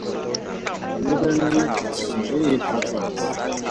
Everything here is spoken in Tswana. Lebelela kitsiso e e fa tlase.